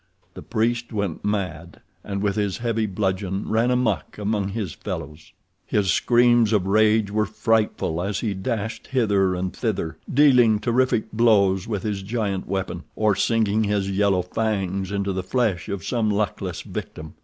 The priest went mad, and with his heavy bludgeon ran amuck among his fellows. His screams of rage were frightful as he dashed hither and thither, dealing terrific blows with his giant weapon, or sinking his yellow fangs into the flesh of some luckless victim.